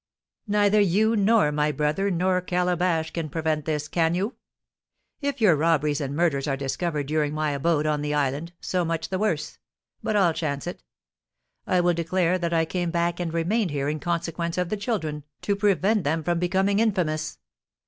"Neither you, nor my brother, nor Calabash can prevent this, can you? If your robberies and murders are discovered during my abode on the island, so much the worse; but I'll chance it. I will declare that I came back and remained here in consequence of the children, to prevent them from becoming infamous.